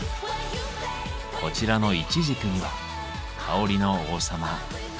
こちらのイチジクには香りの王様カルダモンが。